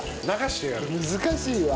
難しいわ。